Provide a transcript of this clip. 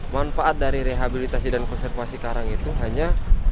manfaat dari rehabilitasi dan konservasi karang itu hanya